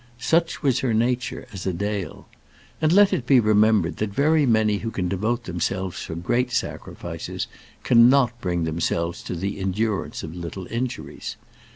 Such was her nature, as a Dale. And let it be remembered that very many who can devote themselves for great sacrifices, cannot bring themselves to the endurance of little injuries.